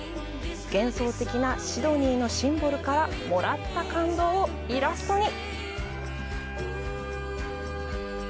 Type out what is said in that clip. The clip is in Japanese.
幻想的なシドニーのシンボルからもらった感動をイラストに。